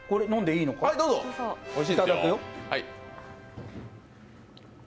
いただくよ。